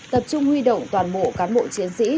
tập trung huy động toàn bộ cán bộ chiến sĩ